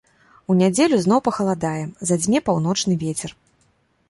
У нядзелю зноў пахаладае, задзьме паўночны вецер.